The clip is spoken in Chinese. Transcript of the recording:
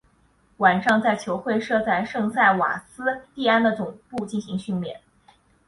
晚上在球会设在圣塞瓦斯蒂安的总部进行训练。